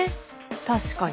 確かに。